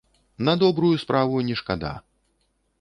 На добрую справу не шкада!